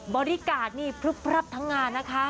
บอดี้การ์ดนี่พรุ่บทั้งงานนะคะ